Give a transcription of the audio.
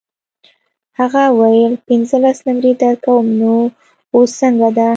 هغه وویل پنځلس نمرې درکوم نو اوس څنګه ده.